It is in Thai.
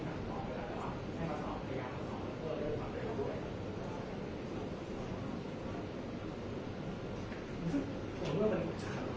ให้สอบเรื่องความเร็วขึ้นไหมครับด้วยให้ตอบใช่ไหมครับแม้ว่าจะมี